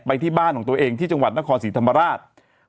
ที่บ้านของตัวเองที่จังหวัดนครศรีธรรมราช